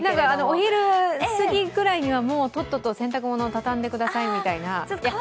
お昼すぎくらいには、とっとと洗濯物を畳んでくださいみたいな。